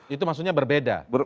itu maksudnya berbeda